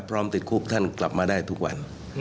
พร้อมติดคุกท่านกลับมาได้ทุกวัน